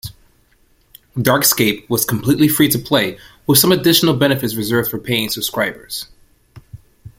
"DarkScape" was completely free to play, with some additional benefits reserved for paying subscribers.